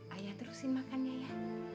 ayah terusin makan ya ya